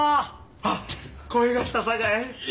あっ声がしたさかい。